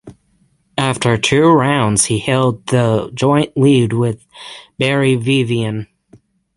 After two rounds he held the joint lead with Barry Vivian.